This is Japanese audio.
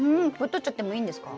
とっちゃってもいいですよ。